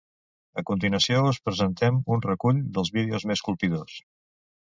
A continuació us presentem un recull dels vídeos més colpidors.